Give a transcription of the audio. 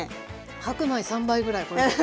白米３杯ぐらいはこれで。